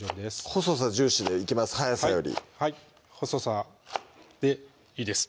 細さ重視でいきます速さよりはい細さでいいです